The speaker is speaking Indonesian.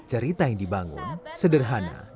cerita yang dibangun sederhana